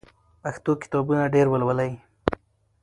پښتو کتابونه ډېر ولولئ.